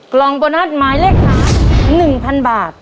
กล่องโบนัสหมายเลขหา๑๐๐๐บาท